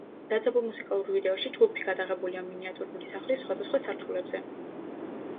დაძაბულ მუსიკალურ ვიდეოში ჯგუფი გადაღებულია მინიატურული სახლის სხვადასხვა სართულებზე.